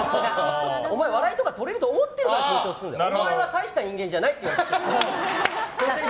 お前笑いとか取れると思ってるから緊張してんだろお前は大した人間じゃないって言われました。